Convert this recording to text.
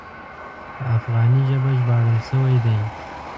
په افغاني ژبه ژباړل شوی دی.